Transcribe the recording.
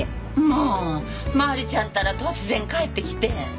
もうマリちゃんったら突然帰ってきて。